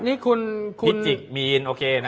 นี่คุณพิจิกมีนโอเคนะ